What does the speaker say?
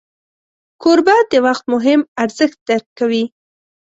کوربه د وخت مهم ارزښت درک کوي.